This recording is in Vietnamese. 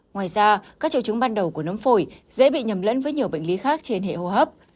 ngoài ra các triệu chứng ban đầu của nấm phổi dễ bị nhầm lẫn với nhiều bệnh lý khác trên hệ hô hấp